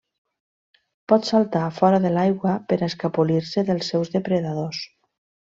Pot saltar fora de l'aigua per a escapolir-se dels seus depredadors.